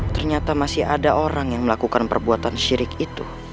ternyata masih ada orang yang melakukan perbuatan syirik itu